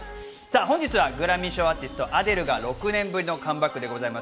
本日はグラミー賞アーティスト、アデルが６年ぶりのカムバックです。